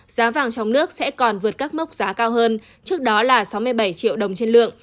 giá vàng trong nước sẽ còn vượt các mốc giá cao hơn trước đó là sáu mươi bảy triệu đồng trên lượng